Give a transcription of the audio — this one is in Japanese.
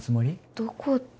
どこって。